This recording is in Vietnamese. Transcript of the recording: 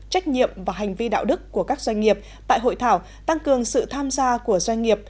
trách nhiệm và hành vi đạo đức của các doanh nghiệp tại hội thảo tăng cường sự tham gia của doanh nghiệp